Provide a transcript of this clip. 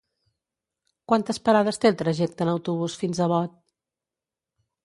Quantes parades té el trajecte en autobús fins a Bot?